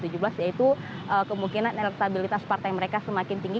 yaitu kemungkinan elektabilitas partai mereka semakin tinggi